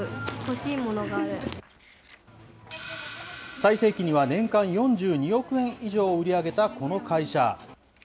最盛期には、年間４２億円以上を売り上げたこの会社。